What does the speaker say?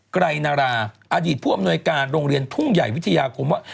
ไกรนาราอดีตผู้อำนวยการโรงเรียนทุ่งใหญ่วิทยาคมว่า